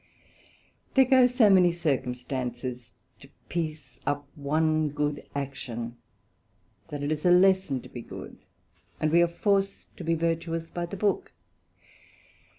There go so many circumstances to piece up one good action, that it is a lesson to be good, and we are forced to be virtuous by the book.